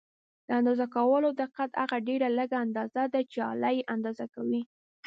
د اندازه کولو دقت هغه ډېره لږه اندازه ده چې آله یې اندازه کوي.